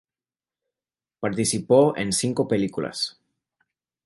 Participó en cinco películas.